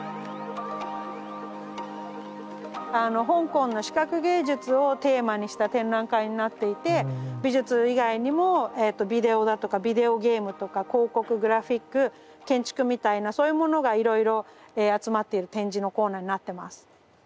香港の視覚芸術をテーマにした展覧会になっていて美術以外にもビデオだとかビデオゲームとか広告グラフィック建築みたいなそういうものがいろいろ集まっている展示のコーナーになってます。